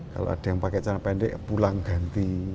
kalau ada yang pakai cara pendek pulang ganti